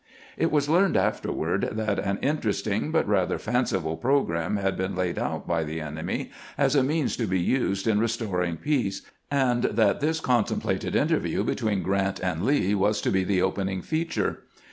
It was learned afterward that an interesting but rather fanciful program had been laid out by the enemy as a means to be used in restoring peace, and that this contemplated interview between Grrant and Lee was to be the opening feature.